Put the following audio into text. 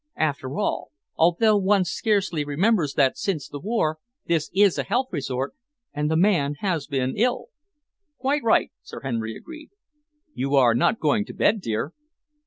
After all, although one scarcely remembers that since the war, this is a health resort, and the man has been ill." "Quite right," Sir Henry agreed. "You are not going to bed, dear?"